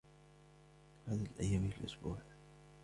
كم عدد الأيام في الأسبوع؟